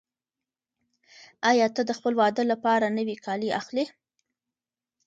آیا ته د خپل واده لپاره نوي کالي اخلې؟